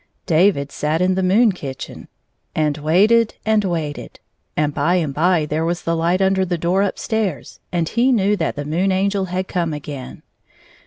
David sat in the moon kitchen, and waited and 105 waited, and, by and by, there was the Kght under the door up stairs, and he knew that the Moon Angel had come again.